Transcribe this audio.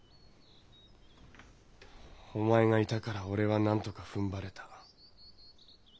お前がいたから俺はなんとかふんばれた。